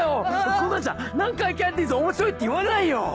こんなんじゃ南海キャンディーズ面白いって言われないよ！